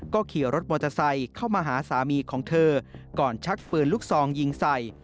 ก็ขี่รถมอเตอร์ไซค์เข้ามาหาสามีของเธอก่อนชักปืนลูกซองยิงใส่